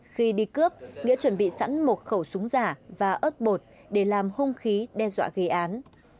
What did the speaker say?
khi đi cướp nghĩa chuẩn bị sẵn một khẩu súng giả và ớt bột để làm hung khí đe dọa gây án